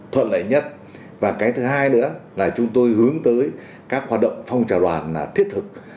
thuận lợi nhất và cái thứ hai nữa là chúng tôi hướng tới các hoạt động phong trào đoàn là thiết thực